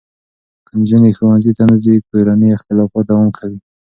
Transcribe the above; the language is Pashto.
که نجونې ښوونځي ته نه ځي، کورني اختلافات دوام کوي.